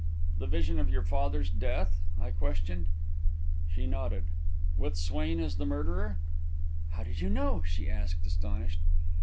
"The vision of your father's death?" I questioned. She nodded. "With Swain as the murderer?" "How did you know?" she asked, astonished.